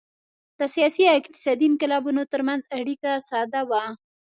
د سیاسي او اقتصادي انقلابونو ترمنځ اړیکه ساده وه